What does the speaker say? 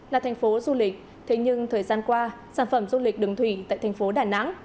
là thành phố du lịch thế nhưng thời gian qua sản phẩm du lịch đường thủy tại thành phố đà nẵng